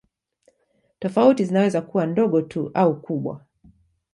Tofauti zinaweza kuwa ndogo tu au kubwa.